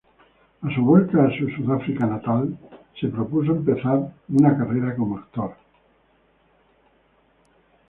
A su vuelta a su Sudáfrica natal, se propuso empezar una carrera como actor.